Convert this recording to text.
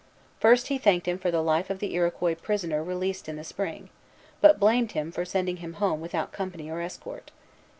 First he thanked him for the life of the Iroquois prisoner released in the spring, but blamed him for sending him home without company or escort.